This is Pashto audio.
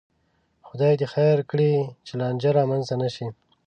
خدای دې خیر کړي، چې لانجه را منځته نشي